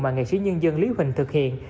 mà nghệ sĩ nhân dân lý huỳnh thực hiện